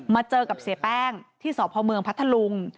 มาเจอกับเสียแป้งที่สพพัทธลุง